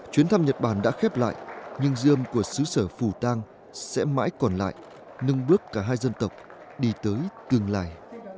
chuyến thăm nhật bản đã khép lại nhưng dương của xứ sở phủ tăng sẽ mãi còn lại nâng bước cả hai dân tộc đi tới cường lại